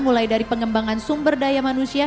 mulai dari pengembangan sumber daya manusia